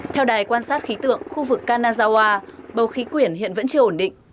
theo đài quan sát khí tượng khu vực kanazawa bầu khí quyển hiện vẫn chưa ổn định